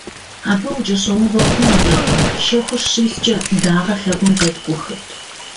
Абы укӏэщӏэувэ хъунутэкъым - шэхур щискӀэ, дагъэр лъэгум къеткӀухырт.